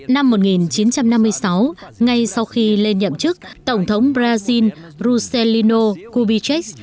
năm một nghìn chín trăm năm mươi sáu ngay sau khi lên nhậm chức tổng thống brazil rousselino kubitschek